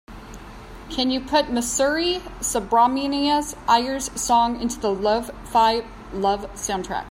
Can you put Musiri Subramania Iyer's song onto the lo-fi love soundtrack?